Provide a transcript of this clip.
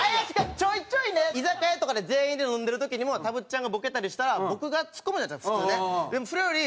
ちょいちょいね居酒屋とかで全員で飲んでる時にもたぶっちゃんがボケたりしたら僕がツッコむじゃないですか普通ね。